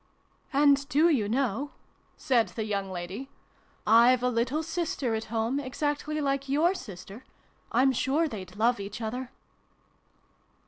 " And, do you know," said the young lady, " I've a little sister at home, exactly \ikeyour sister ? I'm sure they'd love each other."